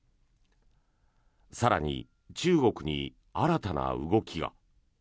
更に中国に新たな動きが。